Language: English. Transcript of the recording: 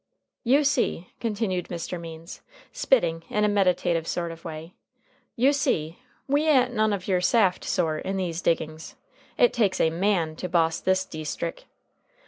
"You see," continued Mr. Means, spitting in a meditative sort of a way, "you see, we a'n't none of your saft sort in these diggings. It takes a man to boss this deestrick.